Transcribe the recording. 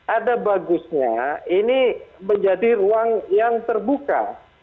ada bagusnya ini menjadi ruang yang terbuka